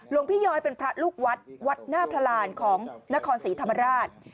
พี่ย้อยเป็นพระลูกวัดวัดหน้าพระรานของนครศรีธรรมราช